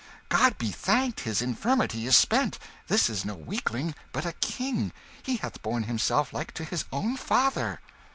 "God be thanked, his infirmity is spent! This is no weakling, but a king. He hath borne himself like to his own father."